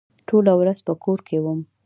ټوله ورځ په کور کې وم.